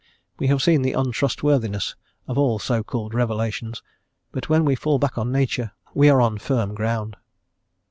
We have seen the untrustworthiness of all so called revelations; but when we fall back on Nature we are on firm ground.